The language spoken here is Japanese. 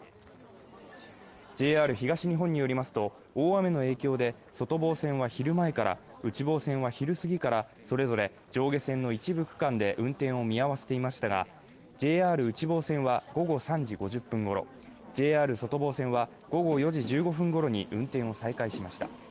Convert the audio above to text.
ＪＲ東日本によりますと、大雨の影響で外房線は昼前から内房線は昼すぎからそれぞれ上下線の一部区間で運転を見合わせていましたが、ＪＲ内房線は午後３時５０分ごろ、ＪＲ外房線は午後４時１５分ごろに運転を再開しました。